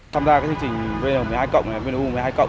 tham gia cái chương trình vnu một mươi hai vnu một mươi hai